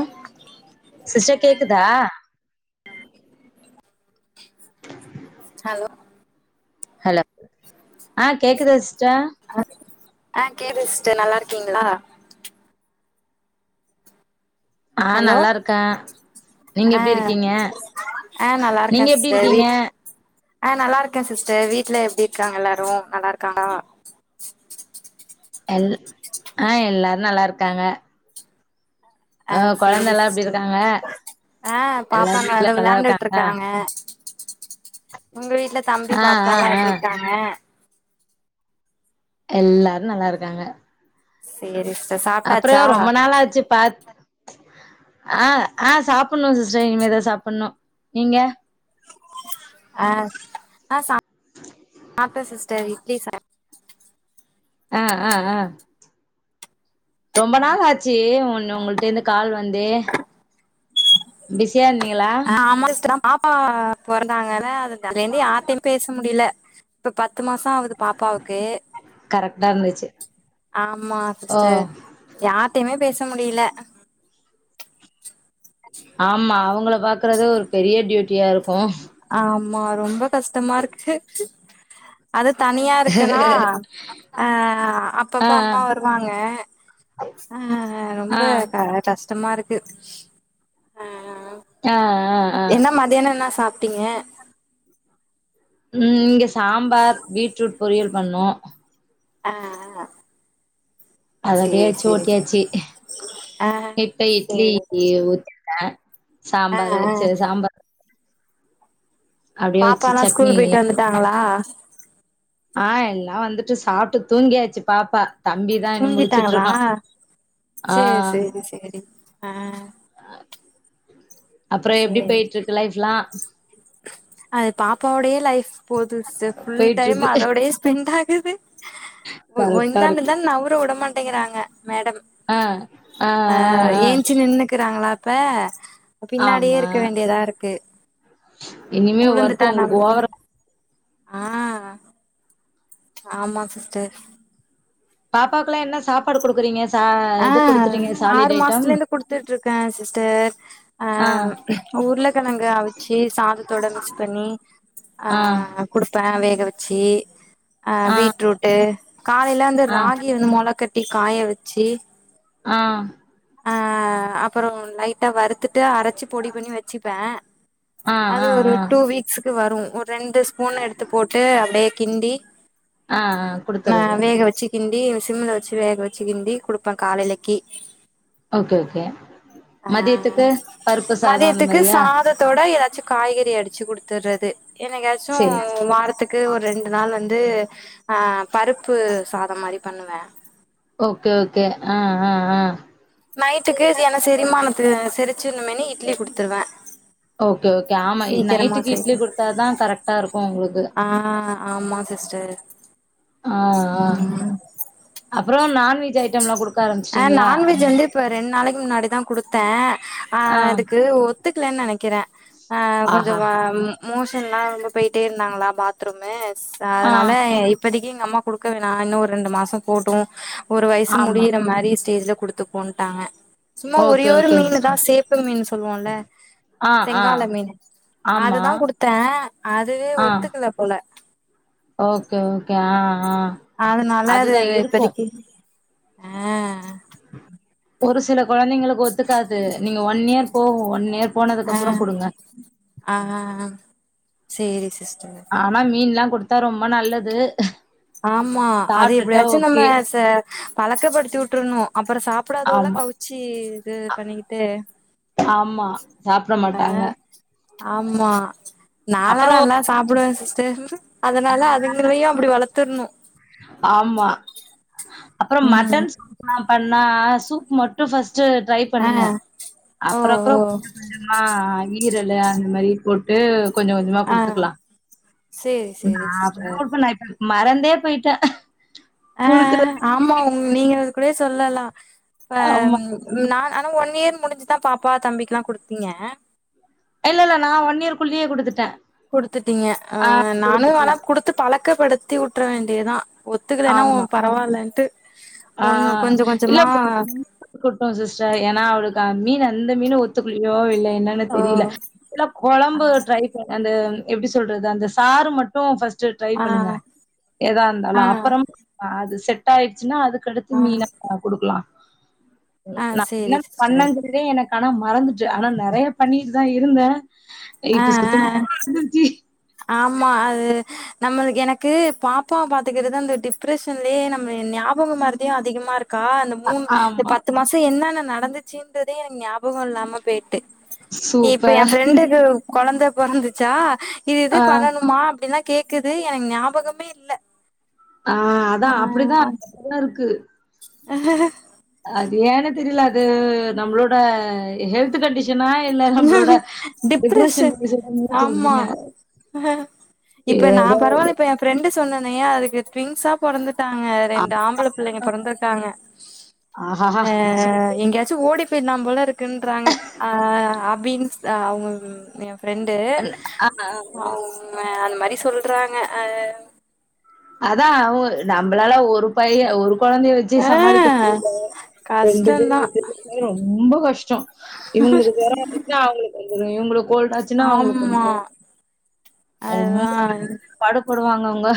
அ sister கேக்குதா ஆ [inaudible] hello hello அ [inaudible] ஆ கேட்குதா சிஸ்ட்டா அ ஆ கேக்குது சிஸ்டர் நல்லாருக்கீங்ளா ஆ ஹலோ நல்லாருக்கே நீங்க ஆ எப்டி இருக்கீங்க ஆ நல்லா இருக்கே நீங்க எப்டி சிஸ்டர் இருக்கீங்க வீட் ஆ நல்லாருக்கே சிஸ்டர் வீட்ல எப்டி இருக்காங்க எல்லாரு நல்லாருக்காங்ளா எல் ஆ எல்லாரு நல்லாருக்காங்க அ சேரி கொழந்தல்லா எப்டி சிஸ்டர் இருக்காங்க ஆ எல்லாரு பாப்பாங்க வீட்ல வந்து நல்லா இருக்காங்களா விளாண்டுட்ருக்காங்க உங்க வீட்ல தம்பி ஆ ஆ பாப்பாலா ஆ எப்டி இருக்காங்க எல்லாரு நல்லாருக்காங்க சேரி சிஸ்டர் சாப் அப்பறோ ரொம்ப நாளாச்சு பாத்து ஆ ஆ சாப்புட்ணு சிஸ்டர் இனிமேதா சாப்பட்ணு நீங்க அ ஆ சாப் சாப்டே சிஸ்டர் இட்லி சாப் அ அ அ ரொம்ப நாளாச்சு உன் உங்குள்ட்ட இருந்து கால் வந்தே பிசியா இருந்திங்ளா ஆ ஆமா சிஸ்டர் அத்தா பாப்பா பொறந்தாங்கள அதுலந்து யார்டையு பேச முடியல இப்ப பத்து மாசோ ஆகுது பாப்பாவுக்கு கரெக்டா இருந்துச்சு ஆமா ஓ சிஸ்டர் யார்டையுமே பேச முடில ஆமா அவுங்கள பாக்கறதே ஒரு பெரிய டியூட்டியாருக்கு ஆமா ரொம்ப கஷ்டமாயிருக்கு அது தனியா இருக்கன்னா அ அப்பப்ப ஆ அம்மா வருவாங்க அ ரொம்ப ஆ கஷ்டமா இருக்கு ம் அ அ அ மதியானோ என்னா சாப்ட்டீங்க? ம் இங்க சாம்பார் பீட்ரூட் பொரியல் பண்ணோ. அ அ. அத அப்டியே வெச்சு ஓட்டியாச்சி. ஆ இப்ப இட்லி சேரி யே ஊத்திருக்கே ஆ சாம்பார ஆ வெச்சு அது சாம்பா அப்டியே வச்சு பாப்பால்லா ஸ்கூல் சட்னி போயிட்டு வந்துட்டாங்களா? ஆ எல்லா வந்துட்டு சாப்ட்டு தூங்கியாச்சு பாப்பா. தம்பி தா இன்னு முழிச்சிட்டு தூங்கிட்டாங்களா இருக்கா ஆ சேர் சேரி சேரி அ. அப்றோ எப்டி சேரி போயிட்ருக்கு லைஃப்ல்லா? அது பாப்பாவோடயே லைஃப் போது சிஸ்டர் ஃபுல் போயிட்டு டைமு இருக்கு அதோடயேஸ் பெண்டாகுது ஒ ஒ கரெக்டா இந்தாண்ட இருக்கு இந்தாண் நவுர உடமாட்டிங்கிறாங்க மேடம். ஆ ஆ அ ஆ ஆ ஏன்ச்சு நின்னுக்கிறாங்களாப்ப பின்னாடியே ஆமா இருக்க வேண்டியதா இருக்கு இனிமே உழுந்துட்டா ஒர்க் என்னா உங்களுக்கு பண்றதுனு. ஓவரா ஆ. ஆமா சிஸ்டர். பாப்பாக்குலா என்ன சாப்பாடு குடுக்குறீங்க சா இது குடுத்துடிங்க சாலிடு ஐட்டம்? குடுத்துட்ருக்கே சிஸ்டர். அ ஆ உருளக்கெழங்கு அவிச்சி சாதத்தோட மிக்ஸ் பண்ணி ஆ அ குடுப்பே வேக வெச்சி அ ஆ பீட்ரூட்டு காலைல அந்த ஆ ஆ ராகிய வந் மொள கட்டி காயவெச்சி ஆ. அ அப்புறோ லைட்டா வறுத்துட் ட்டு அரச்சி பொடி பண்ணி வெச்சிப்பே அது ஆ ஒரு ஆ டூ வீக்ஸுக்கு வரு ஒர் ரெண்டு ஸ் பூன் எடுத்து போட்டு அப்டியே கிண்டி ஆ ஆ அ குடுத்துறது வேக வெச்சி கிண்டிவ் சிம்ல வெச்சு வேக வெச்சு கிண்டி குடுப்பே காலைலக்கி. Okay okay. அ மதியத்துக்கு பருப்பு சாதோ அந்த மதியத்துக்கு மாரியா சாதத் தோட எதாச்சு காய்கறி அடிச்சு குடுத்தர்றது என்னைக்காச்சு சேரி சேரி வாரத்துக்கு ஒர் ரெண் டு நாள் வந்து அ பருப்பு சாதம் மாரி பண்ணுவே. ஓகே ஓகே அ அ அ. நைட்டுக்கு இது என்ன செரிமானத்து செரிச்சுருனுமேனு இட்லி குடுத்துருவே. ஓகே ஓகே ஆமா இது சீக்கிரமா நைட்டுக்கு இட்லி செரிக்கு குடுத்தாதா கரெக்ட்டாருக்கு உங்குளுக்கு. ஆ. ஆமா சிஸ்டர். ஆ ஆ அப்புறோ நான்வெஜ் ஐட்டம்லா குடுக் அ நான்வெஜ்ஜு வந்து இப்ப ரெண் நாளைக்கு முன்னாடி தா குடுத்தே அ ஆ அதுக்கு ஒத் துக்கலன் நெனைக்கிறே அ கொஞ்சோ ஆஹா வ ம் மோஷன்லா ரொம்ப போயிட்டே இருந்தாங்களா பாத்ரூம்மு ஸ் ஆ அதனால இ இப் இப்பதிக்கி எங்க அம்மா குடுக்க வேணா இன்னு ஒரு ரெண்டு மாசம் போட்டு ஒரு வயசு ஆமா முடியிறமா ரி ஸ்டேஜ்ல குடுத்துகோன்ட்டாங்க சும்மா ஒரே ஓகே ஒரு ஓகே மீனுதா சிஸ்டர் சேப்பு மீன் சொல்லுவோல்ல. ஆ ஆ செங்கால மீனு ஆமா அதுதா குடுத்தே. அதுவே ஆ ஒத்துக்கல போல. ஓகே ஓகே ஆ ஆ. அதுனால அது அதுதா வெ இருக்கு இப்பதிக்கி அ அ ஒரு சில கொழந்தைகளு ஒத்துக்காது நீங்க ஒன் இயர் போகு ஒன் இயர் போனதுக்கு அப்புறோ குடுங்க. ஆ ஆ ஆ சேரி சிஸ்டர் ஆனா மீன்ல்லா குடுத்தா ரொம்ப நல்லது ஆமா அது சாப்ட்டுட்டா எப்டியாச்சு நம்ம ஓகே ச பழக்கப்படுத்தி வுட்ரணு அப்பறோ சாப் டாதுகல்ல ஆமா கவுச்சி இது பண்ணிக்கிட்டு ஆமா சாப்ட ஆ மாட்டாங்க ஆமா நாலா அப்புறோ நல்லா சாப்டுவே சிஸ்டர் அதனால அதுங்களையு அப்டி வளத் ஆமா அப்பறோ ம் மட்டன் ன்னா பண்ணா சூப் மட்டு ஃபர்ஸ்ட் ட்ரை ஆ பண்ணுங்க ஓ அப்பறோ அப்பறோ ஓ ஆ ஆ ஈரலு அந்த மாரி போட்டு கொஞ்ச கொஞ்சமா ஆ குடுத்துக்கலா சேரி நா சேரி அப்டிதா சிஸ்டர் குடுப்பே நா இப்ப மறந்தே போயிட்டே ஆ ஆமா ஒங் நீங்க கூட சொல்லலா ஆ ஆமா. நானு ஆனா ஒன் இயர் முடிஞ்சுதா பாப்பா தம்பிக்கலா குடுத்தீங்க இல்ல இல்ல நா ஒன் இயர் குள்ளயே குடுத்துட்டே குடுத்துட்டீங்க ஆ நானு வேணா குடுத்து பழக்கப்படுத்தி வுட்டுற வேண்டியதா ஒத்துக்கலன்னா ஆமா. பரவாலன்ட்டு ஒண்ணு கொஞ்ச கொஞ்சமா க்குட்டு சிஸ்டர் ஏன்னா அவளுக்கு மீனு அந்த மீனு ஒத்துகலயோ இல்ல என்ன ன்னு ஓ தெரில இல்லா கொழம்பு ட்ரை அந்த எப்டி சொல்றது அந்த சாறு மட்டு ஃபர்ஸ்ட் ட்ரை ஆ பண்ணுங்க எதா இந்தாலு ஆ அப்றம் ஆ அது செட் ஆயடுச்சின்னா அதுக் கடுத்து ஆ மீனக் குடுக்கலா ம் ஆ நா சேரி என்ன சிஸ்டர் பண்ணங்கிறதே எனக் ஆனா மறந்துட்டு ஆனா நெறைய பண்ணிட்டு தா இருந்தே ஆ இப்ப ஆ சுத்தமா ஆ மறந்துருச்சி ஆமா அது நம்மளுக்கு எனக்கு பாப்பாவ பாத்துக்கறது அந்த டிப்ரஷன்லே நம்ம ஞா பக மறதியு அதிகமா இருக்கா அந்த மூணு இந்த ஆமா. பத் து மாசோ என்னென்ன நடந்துச்சுன்றதே எனக்கு ஞாபக இல்லாம போயி ட்டு இப்ப ஏ சூப்பர். ஃப்ரெண்ட்க்கு கொழந்த பொறந்துச்சா இது இது ஆ, பண்ணணுமா அப்டின்லா கேக்குது எனக்கு ஞாபகமே இல்ல ஆ அதா அப்டிதா ஆ போல இருக்கு அது ஏன்னு தெரில அது நம்ளோட ஹெல்த் த்து கண்டிஷனா இல்ல நம்ளோட டிப்ரஷன் டிப்ரெஷன் கண்டிஷனா நீங்க என்ன ஆமா சொல்றீங்க இப்ப நா ஏதோ பரவால்ல இப்ப ஏ ஃப்ரெண்ட்டு சொன்னனே அதுக்கு ட்விங்ஸ்ஸா பொறந்துட்டாங்க அ ரெண்டு ஆம்பள பிள்ளைங்க பொறந்துருக்காங்க ஆஹாஹா! ஆ எங்கயாச்சு ஓடி போயிறலா போல இருக்குன்றாங்க சா அவங்க ஏ ஃப்ரெண்ட்டு அ ஆ, அவு ம அந்த மாரி சொல்றாங்க ஆ அதா அவுங்க நம்மளால ஒரு பைய ஒரு கொழந்தய வச்சே ஆ சமாளிக்க முடில ரெண்டு கஷ்டந்தா பேரையு வச்சிருக்கறதுன்னா ரொம்ப கஷ்டோ இவங்களுக்கு வேற இருந்தா அவங்களுக்கு வந்துரு இவங்களுக்கு கோல்ட் ஆச்சின்னா அவங்களுக்கு ஆமா வந்துரு ஆ அதுதா பாடுபடுவாங்க அவங்க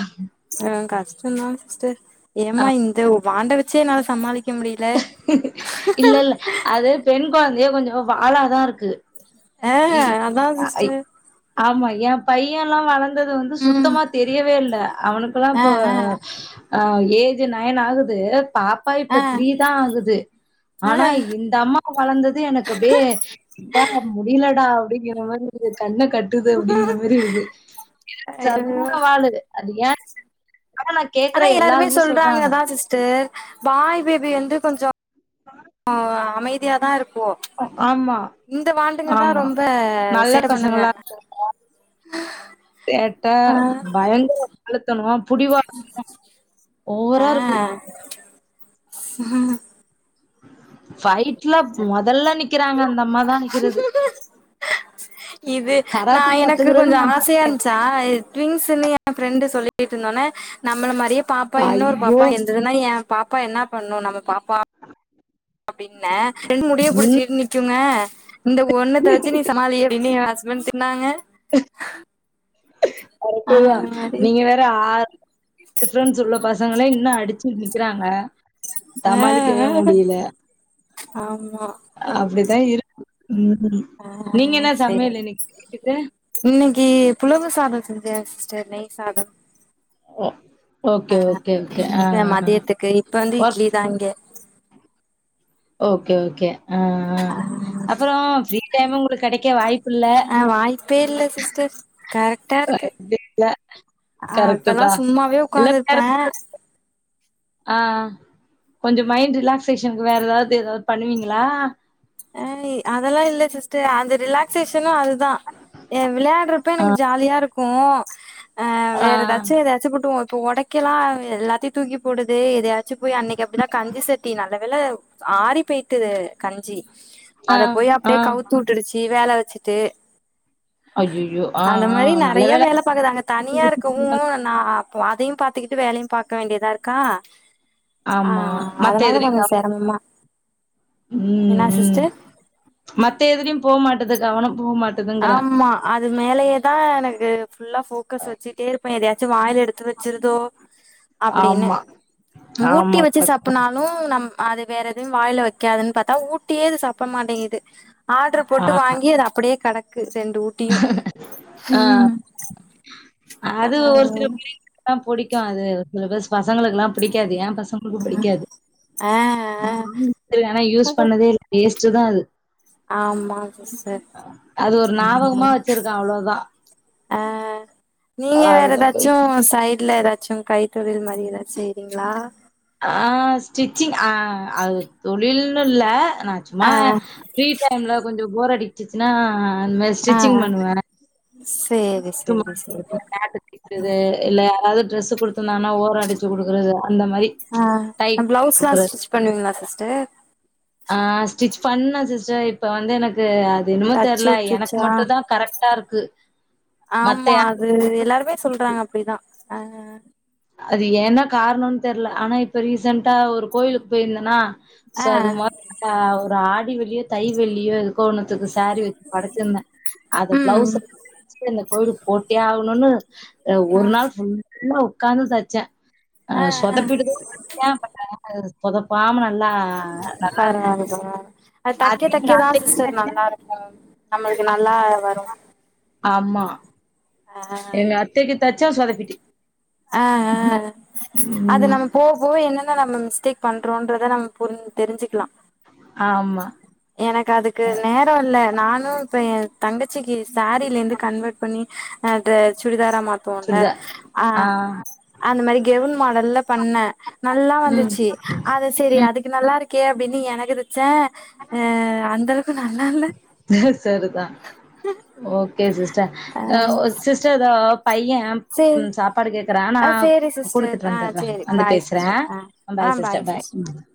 ஆ கஷ்டந்தா சிஸ்டர் ஏம்மா இந்த வாண்ட வச்சே என்னால சமாளிக் இல்ல இல்ல அது பெண் கொழந்தயே கொஞ்சோ வாலாதா இருக்கு ஆ இ அதா அ அ ஆ இ சிஸ்டர் ஆமா ஏ பையல்லா வளந்தது வந்து ம் சுத்தமா தெரியவே இல்ல அவனுகெல்லா ஆ இப்ப ஆ ஆ ஏஜ் நயன் ஆகுது பாப் டை ஆ இப்ப த்ரீ தா ஆகுது ஆ ஆனா இந்த அம்மா க்கு வளந்தது எனக்கு அப்டே யப்பா முடியலடா அப்டிங்கிற மாரி இருந்து கண்ண கட் டுது அப்டிங்கிற மாரி இருக்கு ஐயோ சர்யான வாளு அது ஏ கவலக் ஆனா எல்லாருமே சொல்றாங்க அதா சிஸ்டர் பாய் பேபி வந்து கொஞ்சோ பா ஆ அமைதியா தா இருக்கு ஆமா இந்த வாண்டுங்க தா ஆமா ரொம்ப நல்ல சேட்ட பண்ணுங்க பசங்களா சேட்ட பயங்கர வாழுத்தனோ புடிவாதமு ஓவரா இருக்கு ம் ஃபைட்ல மொதல்ல நிக்கிறாங்க அந்தம்மாதா நிக்கிறது இது நா கராத்தே எனக்கு கத்துக்கிறது கொஞ்சோ என் பை ஆசையாஞ்ச்சா ட்விங்ன்ஸ்ஸுன்னு எ ஃபிரெண்டு் சொல்லிட்டிருந்தோன நம்மள மாரியே பாப்பா இன்னொரு ஐயோ! பாப்பா என் இதுனா ஏ பாப்பா என்ன பண்ணு நம்ம பாப்பா அப்டின்ன ரெண்டு முடிய ம் புடிச்சினு நிக்குங்க இந்த ஒண்ணுகாச்சி நீ சமாளி அப்டின்னு ஏ ஹஸ்பண்ட் தின்னாங்க கரெகட்டு ஆ தா அந்த மாரி நீங்க வேற ஆறு [unintelligible] டிப்ரன்ஸ் உள்ள பசங்கள இன்னு அடிச்சிருக்கீங்க க்கிறாங்க சமாளிக்கவே ஆ முடியில ஆமா அப்டிதா இருக்கு ம் ம் ஆ நீங்க என்ன சமையல் இன்னைக்கிக்கு இன்னைக்கி புலவு சாதோ செஞ்ச சிஸ்டர் நெய் சாதம் ஓ அ ஓகே, ஓகே, ஓகே. ஆ, இங்க ஆ. மதியத்துக்குக் இப்ப வந்து இட்லி ஒர்க் தா இங்க ஓகே ஓகே அ அ அப்புறோ ஃப்ரீ டைமு உங்களுக்கு கடைக்க வாய்ப்பில்ல பேர்ல சிஸ்டர் க ட்டா இருக்கு இல்ல. ஆ கரெக்ட்டு அப்பெல்லா தான். சும்மாவே இல்ல உக்காந்திருப்ப பேரண்ட்ஸ் ஆ கொஞ்சோ மைண்ட் ரிலக்சேஷனுக்கு வேற ஏதாவது ஏதாது பண்ணுவீங்களா ஐ அதெல்லா இல்ல சிஸ்டர் அந்த ரிலாக்சேஷனு அது தா ஏ விளையாடுறப்ப ஆ எனக்கு ஜாலியா இருக்கு அ வேற ஏதாச்சு ஏதாச் ச்சி புட்டுவோ இப்ப ஒடைக்கெல்லா எல்லாத்தையு தூக்கி போடுது எதையாச்சு போயி அன்னைக்கு அப்டிதா கஞ்சி சட்டி நல்ல வேள ஆறி பேய்ட்டு கஞ்சி ஆ அத போய் ஆ அப்டே கவுத்து உட்டுடுச்சி வேல வச்சிட்டு ஐய்யய்யோ ஆ அந்த ஆ மாரி நல்ல நெறைய வேல பாக்குதாங்க தனியா இருக்கவு நா அப்ப அதையு பாத்துகிட்டு வேலையு பாக்க வேண்டியதா இருக்கா ஆ ஆமா மத்த அதனால எதுலயு கொஞ்சோ கவ செரமமா ம் என்னா ம் சிஸ்டர் மத்த எதுலியு போமாட்டுது கவனம் போமாட் ஆம்மா அது மேலேயே தா எனக்கு ஃபுல்லா போக்கஸ் வச்சிட்டே இருப்ப எதையாச்சு வாய்ல எடுத்து வச்சிருதோ அப்டின்னு ஆமா மூட்டி ஆமா வச்சி கரெக்ட் தா சப்புனாலு ம் நம் அது வேற எதையு வாயில வைக்காதுன் பாத்தா ஊட்டியே இது சப்ப மாட்டேங்கிது ஆர்டர் போட்டு வாங்கி அது அப்படியே கடக்கு ரெண்டு ஊட் ஆ ஆ அது ஒரு சில புல்லிங் அ புடிக்கு அது சிலபஸ் பசங்களுக்குல்லா பிடிக்காது என் பசங்களுக்கு பிடிக்காது [inaudible] ஆ ஆனா யூஸ் பண்ணதே இல்ல வேஸ்ட்டு தா அது ஆம்மா சிஸ் அது ஒரு ஞாபகமா வச்சிருக்க அவ்ளோதா ஆ நீங்க வேற அவ்ளோதா போய் ஏதாச்சு சை ட்ல ஏதாச்சு கைத்தொழில் மாரி ஏதாச் செய்ரீங்ளா ஆ ஸ்டிச்சிங் ஆ அது தொழில்ன்னு இல்ல நா சும்மா ஆ ஃப்ரீ டைம்ல கொஞ்சோ போர் அடிச்சுச்சுன்னா அந்தமெரி அ ஆ சேரி ஆத்து சேரி சேரி மண்ல [inaudible] கிட்டது இல்ல யாராவ்து ட்ரெஸ்ஸு குடுத்துர்ந்தாங்னா ஓரோ அடிச்சு குடுக்குறது அந்த மாரி ஆ டைட் பண்ணி பிளவுஸ் லா குடுக்குறது ஸ்டிச் பண்ணுவீங்ளா சிஸ்டர்? ஆ ஸ்டிச் பண்ண சிஸ்டர் இப் ப வந்து எனக்கு அது என்னமோ தச்சு தெர்ல எனக்கு உட்ருச்சா மட்டுதா கரெக்ட்டா இருக்கு ஆமா மத்த யா அது எல்லாருமே சொல்றாங்க அப்டிதா அ அ அது ஏன்ன கார்ணோன் தெர்ல ஆனா இப்ப ரீசென்டா ஒரு கோயிலுக்கு போயிருந்தேன்னா சோ ஆ அது மாரி க ஒரு ஆடி வெள்ளியோ தை வெள்ளியோ எது கோ ஒன்னுத்துக்கு சாரீ வச்சி படச்சிருந்தே அத பிளவுஸ் ம் தச்சி இந்த கோவில்கு போடே ஆவுணுன்னு ஆ ஒரு நாள் ஃபுல் லா உக்காந்து தச்ச அ ஆ ஆ சொதப்பிடுது [inaudible] சொதப்பாம நா பரவால்ல பரவால்ல அது தக்கே அதே எங்க தக்கேதா அத்தைக்கு சிஸ்டர் தச்சே நல்லா இருக் கு நம்மள்க்கு நல்லா வரு ஆமா ஆ ஆ எங்க அத்தக்கி தச்சா சொதப்பிட்டு ஆ ஆ ஆ அது ம் நமக் போவ போவ என்னென்ன நம்ம மிஸ்டேக் பண்றோன்றத நம் புரிஞ் தெரிஞ்சிக்கலா ஆமா எனக்கு அதுக்கு நேரோ இல்ல நானு இப்ப என் தங்கச்சிக்கி சாரிலிந்து கன்வெர்ட் பண்ணி அத சுடிதாரா மாத் துவோல்ல சுடிதா ஆ அந்த மாரி கெவுன் மாடல்ல பண்ண நல்லா ம் வந்துச்சு அத செரி ம் அதுக் கு நல்லா இருக்கே அப்டின்னு எனக்கு தச்ச அ அந்தளவுக்கு நல்லால்ல செரிதா ஓகே சிஸ்டர், ஆ அ ஒ சிஸ்டர் தோ பைய சேரி ம் சாப்பாடு கேக்குறா நா ஆ சேரி சிஸ்டர் குடுத்துட் ஆ வந்துற்றே சேரி வந்து பாய் பேசுற சிஸ்டர் ஆ ஆ பாய் சிஸ்டர் பாய் ம்